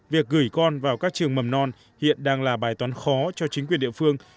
việc gửi con vào các trường mầm non hiện đang là bài toán khó cho chính quyền địa phương